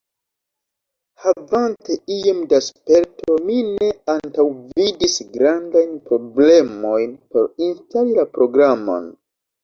Havante iom da sperto, mi ne antaŭvidis grandajn problemojn por instali la programon.